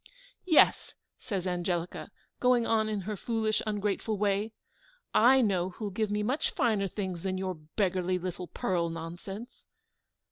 "Yes," said Angelica, going on in her foolish ungrateful way, "I know who'll give me much finer things than your beggarly little pearl nonsense."